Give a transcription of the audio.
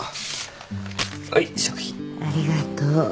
ありがとう。